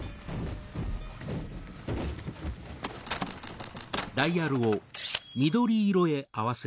あっ。